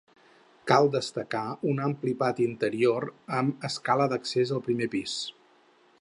Cal destacar un ampli pati interior amb escala d'accés al primer pis.